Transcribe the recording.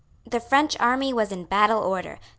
The French army was in battle order.